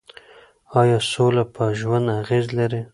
ایا سوله په ژوند اغېز لري؟